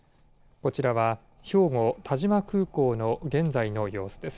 こちらは兵庫・但馬空港の現在の様子です。